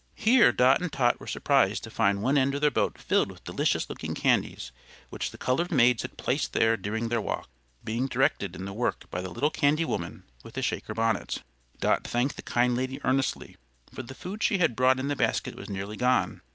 Here Dot and Tot were surprised to find one end of their boat filled with delicious looking candies, which the colored maids had placed there during their walk, being directed in the work by the little candy woman with the Shaker bonnet. Dot thanked the kind lady earnestly, for the food she had brought in the basket was nearly gone.